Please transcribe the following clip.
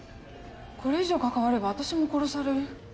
これ以上関われば私も殺される。